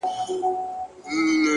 ښه ور نژدې كړې گراني-